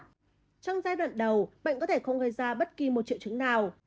trong giai đoạn đầu bệnh có thể không gây ra bất kỳ một triệu chứng nào